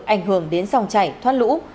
ảnh hưởng đến sòng chảy thoát lũ